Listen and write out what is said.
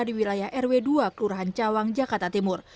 di wilayah rw dua kelurahan cawang jakarta timur